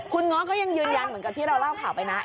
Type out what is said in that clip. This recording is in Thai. คุณง้อก็ยังยืนยันเหมือนกับที่เราเล่าข่าวไปนะ